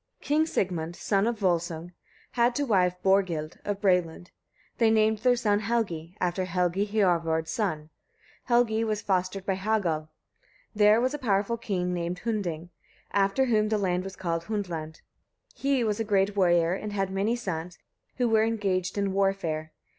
King Sigmund, son of Volsung, had to wife Borghild of Bralund. They named their son Helgi, after Helgi Hiorvard's son. Helgi was fostered by Hagal. There was a powerful king named Hunding, after whom the land was called Hundland. He was a great warrior, and had many sons, who were engaged in warfare.